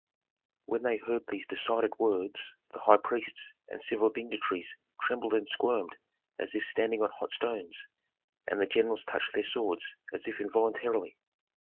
When they heard these decided words, the high priests and civil dignitaries trembled and squirmed as if standing on hot stones, and the generals touched their swords as if involuntarily.